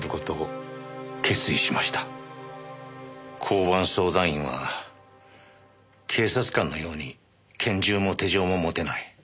交番相談員は警察官のように拳銃も手錠も持てない。